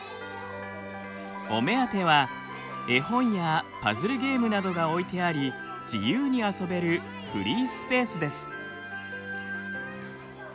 お目当ては絵本やパズルゲームなどが置いてあり自由に遊べるフリースペースです。